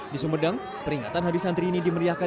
di sumedang peringatan hari santri ini dimeriahkan